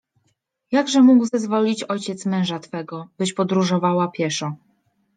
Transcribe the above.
Jakże mógł zezwolić ojciec męża twego, byś podróżowała pieszo?